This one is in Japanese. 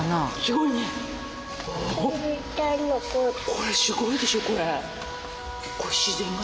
これすごいでしょこれ。